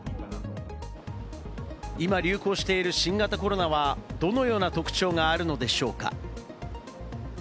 今、流行している新型コロナはどのような特徴があるのでしょうか？